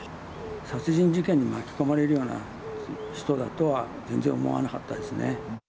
殺人事件に巻き込まれるような人だとは、全然思わなかったですね。